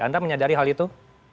anda menyadari hal itu